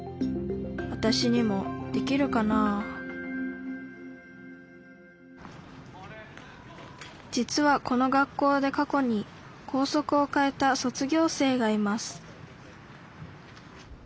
わたしにもできるかな実はこの学校で過去に校則を変えた卒業生がいます